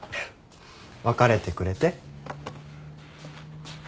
別れてくれて？